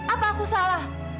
apa aku salah